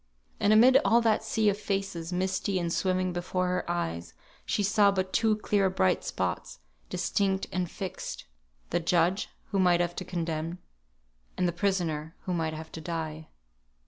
And amid all that sea of faces, misty and swimming before her eyes, she saw but two clear bright spots, distinct and fixed: the judge, who might have to condemn; and the prisoner, who might have to die.